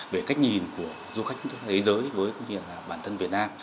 về cách nhìn của du khách thế giới với bản thân việt nam